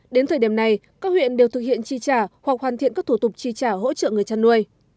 đến thời điểm này các huyện đều thực hiện chi trả hoặc hoàn thiện các thủ tục chi trả hỗ trợ người chăn nuôi